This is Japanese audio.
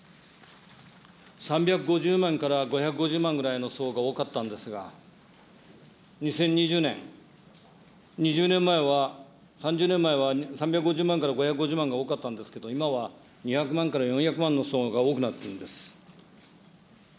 ３５０万から５５０万ぐらいの層が多かったんですが、２０２０年、２０年前は、３０年前は、３５０万から５５０万が多かったんですけど、今は２００万から４００万の層が多くなってるんです。